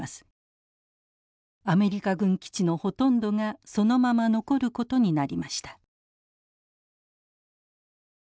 アメリカ軍基地のほとんどがそのまま残ることになりました。